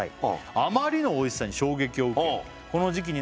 「あまりのおいしさに衝撃を受けこの時期になったら」